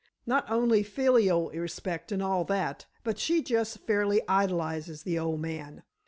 Not only filial respect and all that, but she just fairly idolizes the old man.